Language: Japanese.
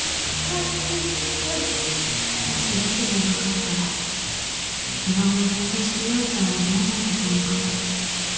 もしレスじゃなかったら今ごろ私と陽ちゃんはどうなってたのかな